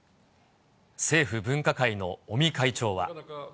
政府分科会の尾身会長は。